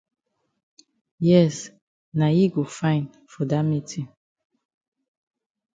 Yes na yi go fine for dat meetin.